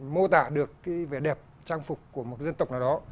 mô tả được cái vẻ đẹp trang phục của một dân tộc nào đó